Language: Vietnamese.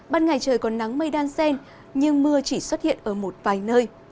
ban ngày trời còn nắng mây đan sen nhưng mưa chỉ xuất hiện ở một vài nơi